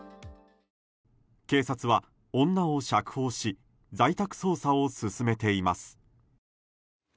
警察は女を釈放し在宅捜査を進めています。